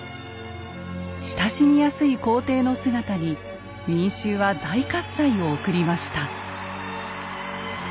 親しみやすい皇帝の姿に民衆は大喝采を送りました。